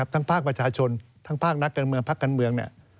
ภาคประชาชนทั้งภาคนักการเมืองภาคการเมือง